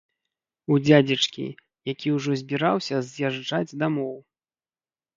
У дзядзечкі, які ўжо збіраўся з'язджаць дамоў.